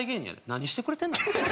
何してくれてんねん！